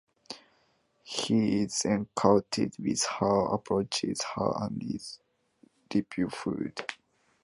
He is enchanted with her, approaches her, and is rebuffed.